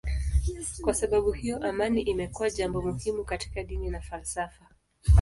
Kwa sababu hiyo amani imekuwa jambo muhimu katika dini na falsafa.